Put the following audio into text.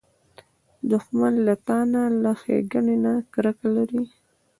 دښمن له تا نه، له ښېګڼې نه کرکه لري